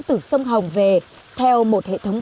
từ sông hồng về theo một hệ thống